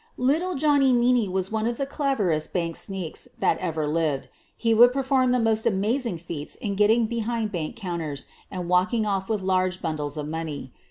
Little Johnny Meaney was one of the cleverest l ' bank sneaks '' that ever lived. He would perform the most amazing feats in getting behind bank counters and walking off with large bundles of money.